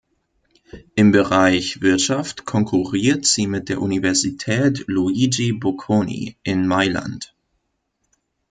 Im Bereich Wirtschaft konkurriert sie mit der Universität Luigi Bocconi in Mailand.